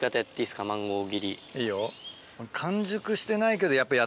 いいよ。